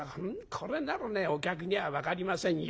これならお客には分かりませんよ。